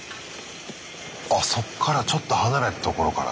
あっそっからちょっと離れた所から。